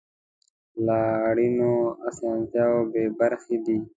له اړینو اسانتیاوو بې برخې دي.